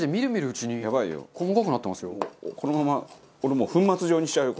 このままこれもう粉末状にしちゃうよ